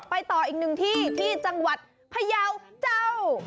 ต่ออีกหนึ่งที่ที่จังหวัดพยาวเจ้า